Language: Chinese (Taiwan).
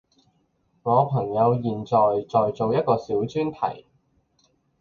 我朋友現在在做一個小專題